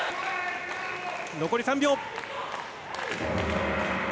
残り３秒。